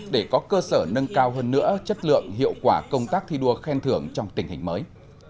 để có cơ sở nâng cao hơn nữa chất lượng hiệu quả công tác thi đua khen thưởng trong tình hình mới